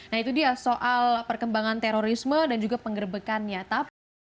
nah itu dia soal perkembangan terorisme dan juga penggerbekannya